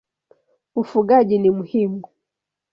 Ufugaji ni muhimu.